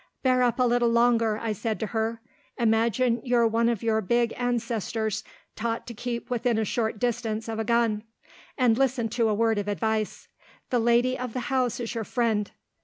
"Bear up a little longer," I said to her. "Imagine you're one of your big ancestors taught to keep within a short distance of a gun and listen to a word of advice. The lady of the house is your friend.